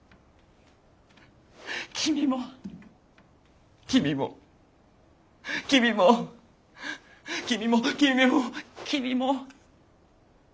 君も君も君も君も君も君も。